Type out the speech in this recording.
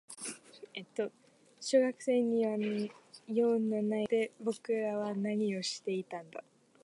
小学生には用のない場所。そこで僕らは何をしていたんだ。